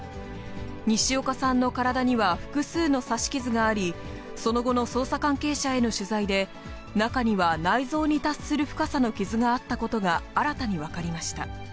西岡さんの体には複数の刺し傷があり、その後の捜査関係者への取材で、中には内臓に達する深さの傷があったことが新たに分かりました。